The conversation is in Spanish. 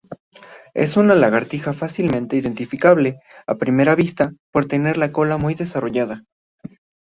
Es una lagartija fácilmente identificable, a primera vista, por tener la cola muy desarrollada.